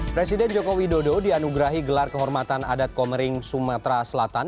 presiden joko widodo dianugerahi gelar kehormatan adat komering sumatera selatan